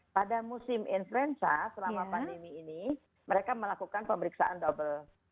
pada musim influenza selama pandemi ini mereka melakukan pemeriksaan double